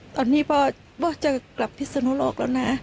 ตอนนี้พ่อจะกลับพิศนุโลกแล้วนะ